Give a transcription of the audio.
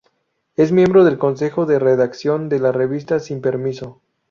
Es miembro del consejo de redacción de la revista "Sin Permiso".